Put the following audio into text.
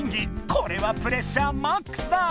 これはプレッシャーマックスだ！